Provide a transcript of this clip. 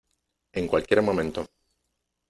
en cualquier momento.